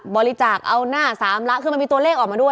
บริจาคเอาหน้าสามละคือมันมีตัวเลขออกมาด้วย